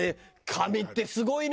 紙ってすごいね！